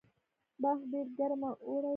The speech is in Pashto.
بلخ ډیر ګرم اوړی لري